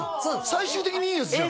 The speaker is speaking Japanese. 最終的にいいヤツじゃん